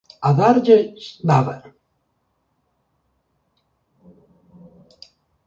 A darlles nada.